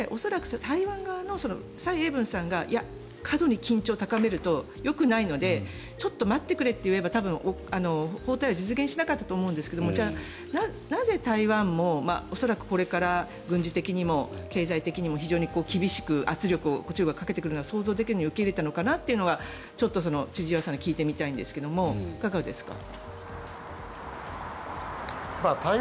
これ、恐らく台湾側の蔡英文さんが過度に緊張を高めるとよくないのでちょっと待ってくれと言えば多分、訪台は実現しなかったと思うんですがなぜ台湾もこれから軍事的にも経済的にも非常に厳しく圧力は中国があけてくるのが想像できたのに受け入れたのかなというのが千々岩さんに聞いてみたいんですがいかがですか？